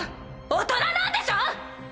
大人なんでしょ！